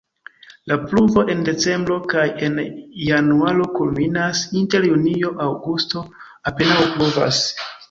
La pluvo en decembro kaj en januaro kulminas, inter junio-aŭgusto apenaŭ pluvas.